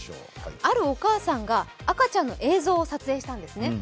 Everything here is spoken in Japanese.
あるお母さんが赤ちゃんの映像を撮影したんですね。